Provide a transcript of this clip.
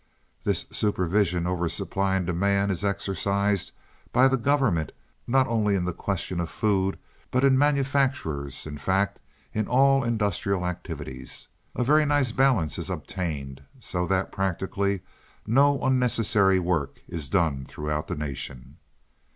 "This supervision over supply and demand is exercised by the government not only in the question of food but in manufactures, in fact, in all industrial activities. A very nice balance is obtained, so that practically no unnecessary work is done throughout the nation.